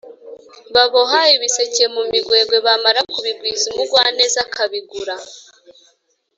Baboha ibiseke mu migwegwe bamara kubigwiza umugwaneza akabigura